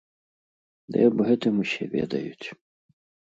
Ды аб гэтым усе ведаюць.